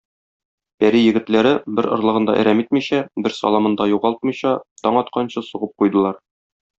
Пәри егетләре, бер орлыгын да әрәм итмичә, бер саламын да югалтмыйча, таң атканчы, сугып куйдылар.